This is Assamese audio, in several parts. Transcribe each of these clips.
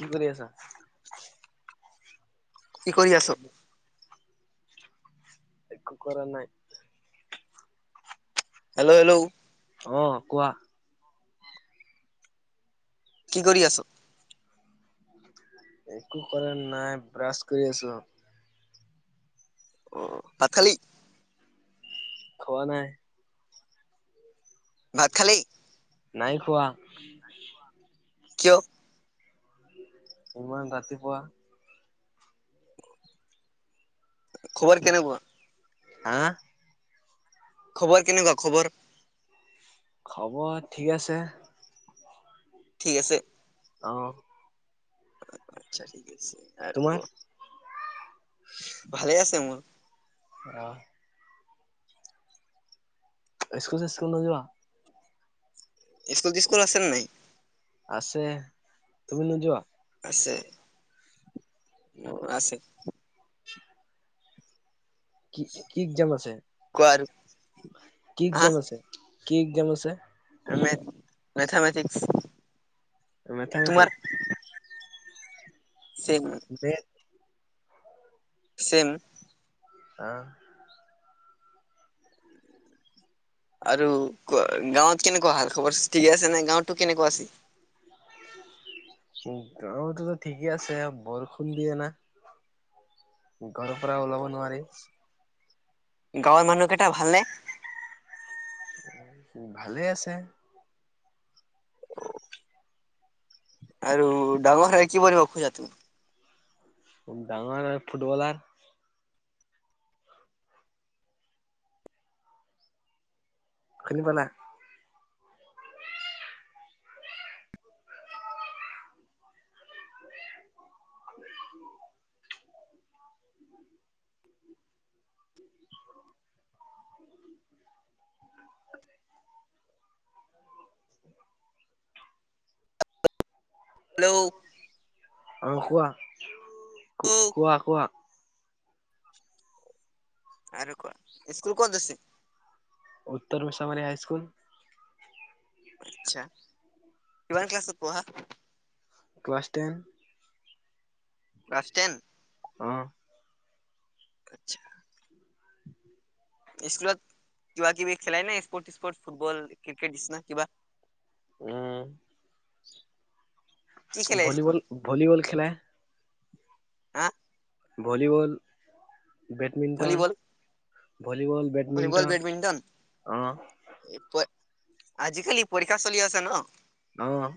কি কৰি আছা? কি কৰি আছ? একো কৰা নাই। Hello, hello. অ', কোৱা। কি কৰি আছ? একো কৰা নাই। ব্ৰাছ কৰি আছো। ভাত খালি? খোৱা নাই। ভাত খালী? নাই খোৱা। কিয়? ইমান ৰাতিপুৱা! খবৰ কেনেকোৱা? হা'। খবৰ কেনেকুৱা? খবৰ। খবৰ ঠিক আছে। ঠিক আছে। আহ। তোমাৰ? [unintelligible] ভালে আছে মোৰ। অ'। স্কুল চস্কুল নযোৱা? ইস্কুল চিস্কুল আছেনে নাই। আছে। তুমি নোযোৱা? আছে। কি কি একজাম আছে? কোৱা আৰু। কি একজাম আছে? কি এক্জাম আছে? মে মেথেমেটিক্স। মেথামেথিক। চিগ। Math, chem. আ। আৰু গাঁৱত কেনেকুৱা হা খবৰ ঠিকে আছে নে, গাঁৱত কেনেকুৱা আছে। গাঁৱত ঠিকে আছে বৰষুণ দিয়ে না। ঘৰৰ পৰা ওলাব নোৱাৰি। গাঁৱৰ মানুহ কেইটা ভালনে? ভালেই আছে। আৰু ডাঙৰ হ'লে কি বনিব খোজা তুমি? ডাঙৰ আৰু ফুটবলাৰ। খিনিব নাই। হেল্ল'। অ', কোৱা, কোৱা কোৱা। আৰু কোৱা? স্কুল ক'ত আছে? উত্তৰ মিছামাৰী হাইস্কুল। আচ্ছা, কিমান ক্লাছত পঢ়া? ক্লাছ তেন। ক্লাছ তেন। অহ'। আচ্ছা। [inaudible] স্কুলত কিবা কিবি খেলে নে স্প'ৰ্টচ স্প'ৰ্ট ফুটবল ক্ৰিকেট নিছিনা কিবা? উম। [inaudible] ভলীবল, স্কুলত ভলীবল খেলে। হা? Volleyball badminton volleyball volleyball, volleyball, badminton badminton অ' এই পে আজিকালি পৰীক্ষা চলি আছে ন? অ'।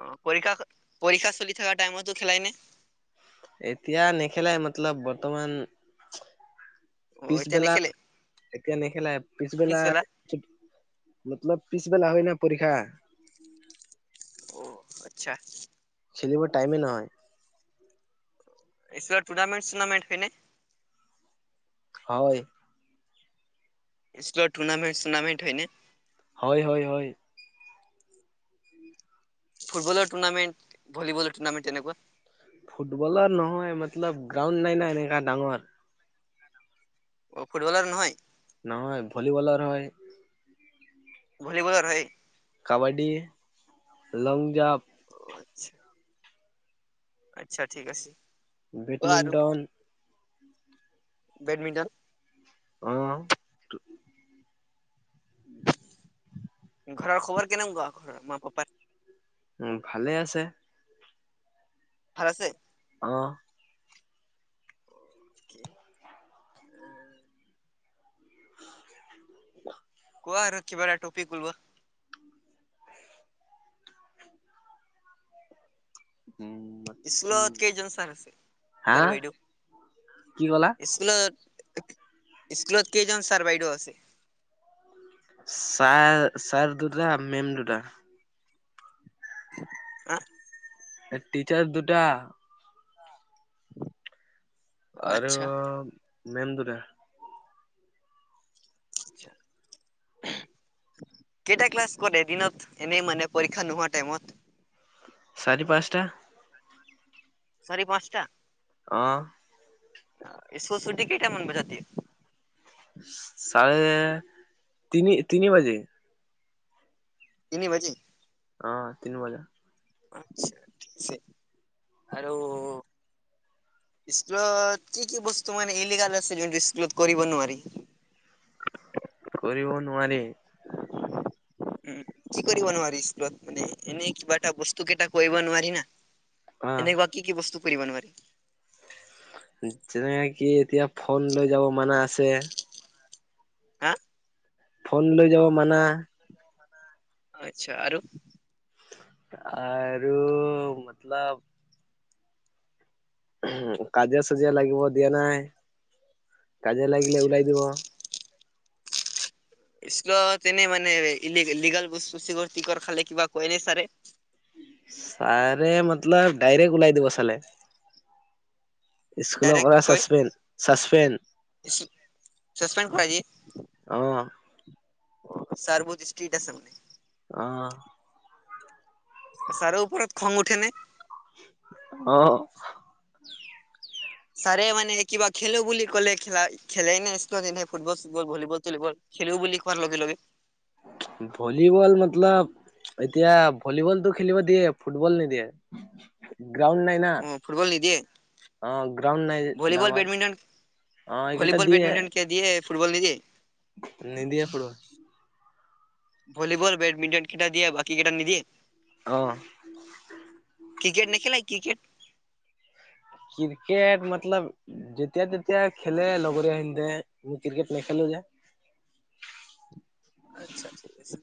অ পৰীক্ষা পৰীক্ষা চলি থাকা টাইমতো খেলাই নে? এতিয়া নেখেলাই মতলব বৰ্তমান অ এতিয়া পিছবেলা, নেখেলে এতিয়া নেখেলাই পিছবেলা মতলব পিছবেলা হয় না পৰীক্ষা। অঁ আচ্ছা। খেলিব টাইমেই নহয়। পিছত টুৰ্ণামেণ্ট চুৰ্নামেণ্ট হয়নে? হয়। স্কুলত টুৰ্ণামেণ্ট চুৰ্নামেণ্ট হয় নে? হয়, হয়, হয়। ফুটবলৰ টুৰ্নামেণ্ট ভলীবলৰ টুৰ্নামেণ্ট তেনেকুৱা ফুটবলৰ নহয়, মতলব গ্ৰাউণ্ড নাই নাই এনেকা ডাঙৰ। অ' ফুটবলৰ নহয়? নহয়, ভলীবলৰ হয়। ভলীবলৰ হয়। কাবাডি, লং জাম্প আত্ছা। আচ্ছা ঠিক আছে। কোৱা আৰু বেডমিন্টন বেডমিণ্টন? অহ। তো ঘৰৰ খবৰ কেনেকোৱা ঘৰৰ মা পাপাৰ? উম ভালে আছে। ভাল আছে? অহ। [inaudible] [unintelligible] কোৱা আৰু কিবা এটা টপিক উলোৱা। উম স্কুলত কেইজন ছাৰ আছে হা ছাৰ বাইদেউ কি ক'লা? ইস্কুলত স্কুলত কেইজন ছাৰ বাইদেউ আছে? ছাৰ ছাৰ দুটা মেম দুটা। হা এ টিচাৰচ্ দুটা। [inaudible] আৰু আচ্ছা। মেম দুটা। [inaudible] কেইটা ক্লাছ কৰে এদিনত এনেই মানে পৰীক্ষা নোহোৱা টাইমত? চাৰি পাঁচটা। চাৰি পাঁচটা। অ', ক চুটি কেইটা মান বজাত দিয়ে? চাৰে তিনি তিনি বাজি। তিনি বাজি অ', তিনি বজা। আচছাছে আৰু স্কুলত কি কি বস্তু মানে ইলিগাল আছে যোনটো স্কুলত কৰিব নোৱাৰি? কৰিব নোৱাৰি। উম কি কৰিব নোৱাৰি স্কুলত মানে, এনেই কিবা এটা বস্তু কেইটা কৰিব নোৱাৰি না। অহ এনেকুৱা কি কি বস্তু কৰিব নোৱাৰি? যেনেকে এতিয়া ফন লৈ যাব মানা আছে। হ। ফোন লৈ যাব মানা। আচ্ছা আৰু? আৰু মতলব। কাজিয়া চাজিয়া লাগিব দিয়া নাই। কাজিয়া লাগিলে আচ্ছা ওলাই দিব স্কুলত এনেই মানে ইলি লিগল বস্তু চিকৰ টিকৰ খালে কিবা কয় নে চাৰে? ছাৰে মতলব ডাইৰেক্ট ওলাই দিব চালে। স্কুল ডাইৰেক্ট পৰা কয় চাচপে চাছপেন চাচপেণ্ড কৰাই দিয়ে। চাৰবত ষ্ট্ৰ্ৰীট আছে মানে। আহ। ছাৰৰ ওপৰত খং উঠে নে? অ', ছাৰে মানে কিবা খেলো বুলি ক'লে খেলাই খেলেই নে স্কুলত এনে ফুটবল চুটবল ভলীবল চলিবল। খেলেও বুলি কোৱাৰ লগে লগে। ভলীবল মতলব এতিয়া ভলীবলতটো খেলিব দিয়ে ফুটবল নিদিয়ে। গ্ৰাউণ্ড নাই না। অ ফুটবল নিদিয়ে অ', গ্ৰাউণ্ড নাই যে ভলীবল ডাঙৰ। বেডমিণ্টন অ এইকেইটা ভলীবল, দিয়ে বেডমিণ্টন ক দিয়ে ফুটবল নিদিয়ে। নিদিয়ে প ভলীবল বেডমিণ্টন কেইটা দিয়ে বাকী কেইটা নিদিয়ে। আহ। Cricket নেখেলায় cricket? ক্ৰিকেট মতলব যেতিয়া তেতিয়া খেলে লগৰীয়া সে মই ক্ৰিকেট নেখেলো যে। [inaudible] আচ্ছাঠিক আছে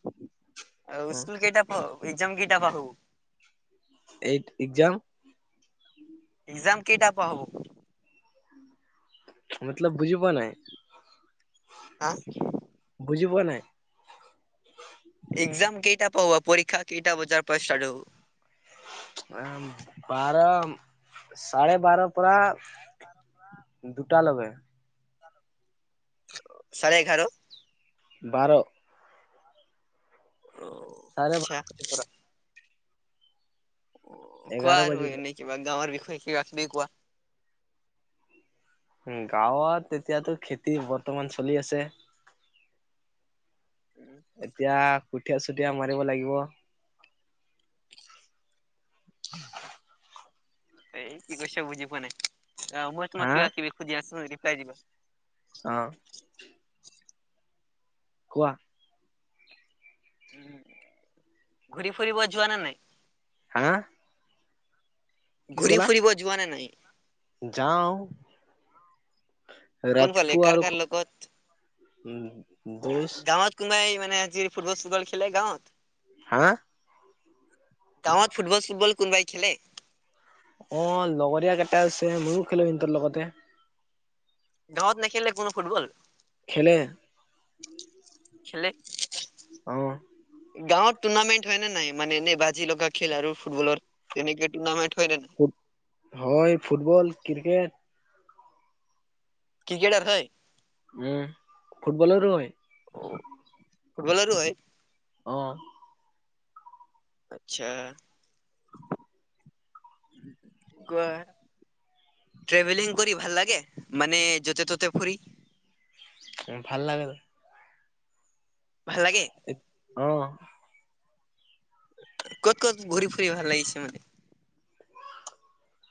স্কুল কেইটা পৰা একজাম উটা বাহু এইট একজাম। এক্সাম কেইটা পা হ'ব? মতলব বুজি পোৱা নাই। হা। [inaudible] কেইটা পৰা হ'ব পৰীক্ষা কেইটা বজাৰ পৰা ষ্টাৰ্ট হ'ব? উ বাৰ চাৰে বাৰ পৰা। দুটা লগাই। চাৰে এঘাৰ। বাৰ অঁ চাৰে বাৰ আচ্ছা। বজাৰ পৰা কোৱা এঘাৰ আৰু বাজিলে এনেই কিবা গাঁওৰ বিষয়ে কিবা কিবি কোৱা। উম গাঁৱত এতিয়াতো খেতি বৰ্তমান চলি আছে এতিয়া কুঠিয়া চুতিয়া মাৰিব লাগিব। [inaudible] এই কি কৈ বুজি পোৱা নাই, মই তোমাক হা কিবা কিবি সুধি আছো ৰিপ্লাই দিবা অহ কোৱা। ঘূৰি ফুৰিব যোৱা নে নাই? হা ঘূৰি ফুৰিব যোৱা নে নাই? যাওঁ। কোন ফালে? কাৰ - কাৰ লগত- দোষ গাঁৱত কোনবাই মানে আজি ফুটবল - ছুটবল খেলে গাঁৱত? হা? গাঁৱত ফুটবল - ছুটবল কোনবাই খেলে? অ' লগৰীয়া কেইটা আছে, ময়ো খেলো হেন্তৰ লগতে। গাঁওত নেখেলে কোনো ফুটবল। খেলে। খেলে। অহ। গাঁৱত টুৰ্ণামেণ্ট হয় নে নাই মানে এনেই বাজি লগা খেল আৰু ফুটবলৰ তেনেকে টুৰ্ণামেণ্ট। হয় নে নাই ফুট হয় ফুটবল ক্ৰিকেট। ক্ৰিকেটাৰ হয়। উম ফুটবলাৰো হয়। অ ফুটবলাৰো হয়। অ। আচ্ছা, কোৱা। ট্ৰেভেলিং কৰি ভাল লাগে মানে য'তে ত'তে ফুৰি। ভাল লাগে। ভাল লাগে অ'। ক'ত - ক'ত ঘূৰি ফুৰি ভাল লাগিছে মানে?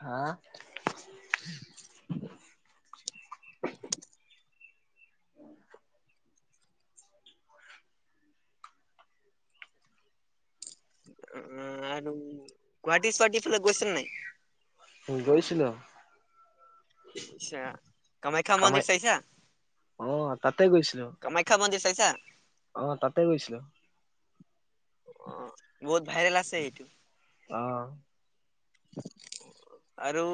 হা? আৰু গোৱাটি - ছুৱাটি ফালে গৈছেন নাই? গৈছিলো। ছা কামাখ্যা কামাই মন্দিৰ চাইছা? অ তাতে গৈছিলো। ছা? অ তাতে গৈছিলো। অ' বহুত ভাইৰেল আছে সেইটো। অ'। আৰু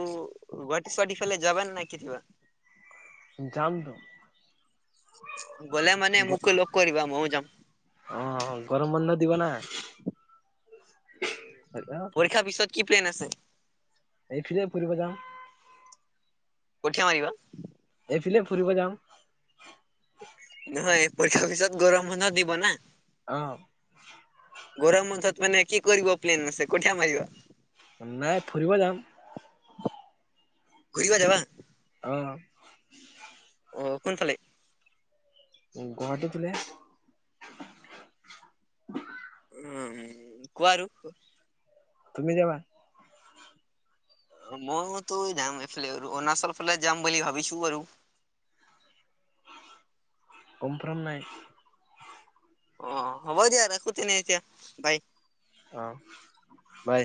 গুৱাটী-চুৱাটীৰ ফালে যাবান নাই কেতিয়াবা? জামটো। গ'লে মানে মোকো লগ কৰিবা, ময়ো যাম। অ' গৰম বন্ধ দিব না। পৰীক্ষাৰ পিছত কি প্লেন আছে? এইফিলে ফুৰিব যাম। কঠিয়া মাৰিবা? এইফিলে ফুৰিব যাম। নহয়, পৰীক্ষাৰ পিছত গৰম বন্ধ দিব না। আহ। গৰম বন্ধত মানে কি কৰিব প্লেন মছে কঠিয়া মাৰিবা? নাই ফুৰিব যাম। ঘূৰিব যাবা। অ'। অ কোনফালে? উম গুৱাহাটী খোলে? উম কোৱা আৰু। তুমি যাবা? মইতো যাম এইফালে অৰুণাচল ফালে যাম বুলি ভাবিছো আৰু। কনফ্ৰাম নাই। অ হ'ব দিয়া ৰাখো তেনে এতিয়া বাই। অ', বাই।